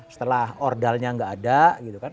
setelah ordalnya nggak ada gitu kan